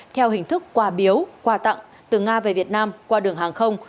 theo hình thức qua biếu qua tặng từ nga về việt nam qua đường hàng không